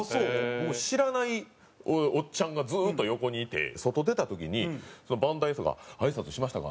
知らないおっちゃんがずっと横にいて外出た時に番台の人が「挨拶しましたか？